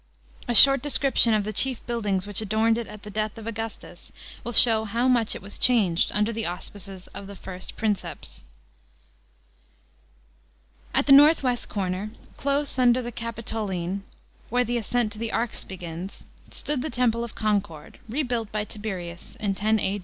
A sliort desciiption of the chief buildings which adorned it at the death of Augustus will show how much it was changed under the auspices of the first Princeps. At the north west corner, close under the Capitoline, where the ascent to the Arx begin*, stood the Temple of Concord, rebuilt by Tiberius in 10 A.